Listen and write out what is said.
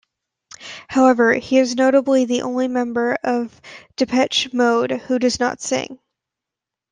However, he is notably the only member of Depeche Mode who does not sing.